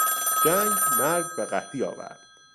جنگ مرگ و قحطی آورد.